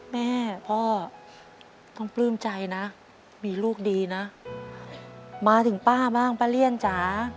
แม่พ่อต้องปลื้มใจนะมีลูกดีนะมาถึงป้าบ้างป้าเลี่ยนจ๋า